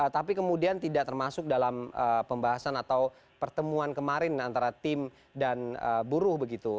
tapi kemudian tidak termasuk dalam pembahasan atau pertemuan kemarin antara tim dan buruh begitu